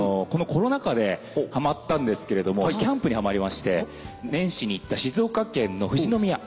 このコロナ禍ではまったんですけれどもキャンプにはまりまして年始に行った静岡県の富士宮。